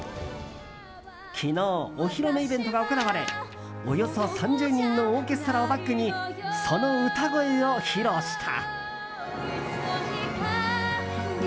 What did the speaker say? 昨日、お披露目イベントが行われおよそ３０人のオーケストラをバックに、その歌声を披露した。